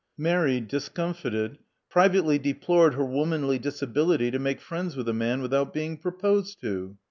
Mary discomfited, privately deplored her womanly disability to make friends with a man without being proposed to.